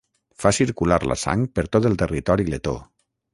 Fa circular la sang per tot el territori letó.